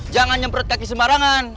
jangan nyemprot kaki sembarangan